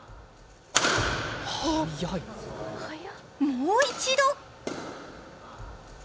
もう一度！